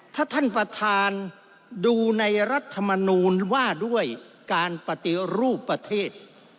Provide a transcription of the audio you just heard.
ถ้าท่านประธานดูในรัฐมนูลว่าด้วยการปฏิรูปประเทศ